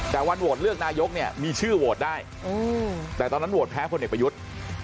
แต่วันโหวตเลือกนายกเนี่ยมีชื่อโหวตได้แต่ตอนนั้นโหวตแพ้คนเอกประยุทธ์